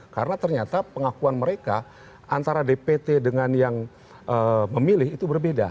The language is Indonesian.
karena ternyata pengakuan mereka antara dpt dengan yang memilih itu berbeda